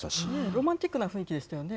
ロマンティックな雰囲気でしたよね。